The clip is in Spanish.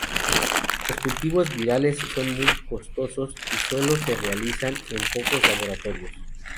Los cultivos virales son muy costosos y solo se realizan en pocos laboratorios.